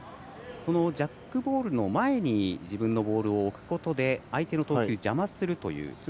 ジャックボールの前に自分のボールを置くことで相手の投球を邪魔するということですね。